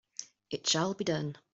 It shall be done!